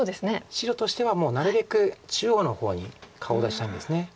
白としてはもうなるべく中央の方に顔出したいんです。